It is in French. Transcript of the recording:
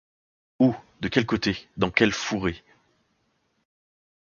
Où? de quel côté ? dans quel fourré ?